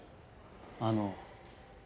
あの。